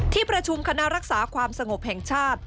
ที่ประชุมคณะรักษาความสงบแห่งชาติ